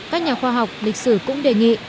các nhà khoa học lịch sử cũng đề nghị